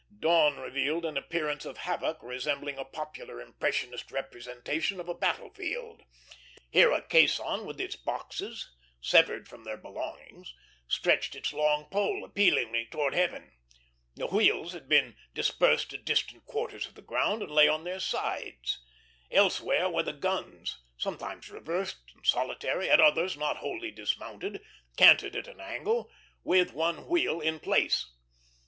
Dawn revealed an appearance of havoc resembling a popular impressionist representation of a battle field. Here a caisson with its boxes, severed from their belongings, stretched its long pole appealingly towards heaven; the wheels had been dispersed to distant quarters of the ground and lay on their sides; elsewhere were the guns, sometimes reversed and solitary, at others not wholly dismounted, canted at an angle, with one wheel in place.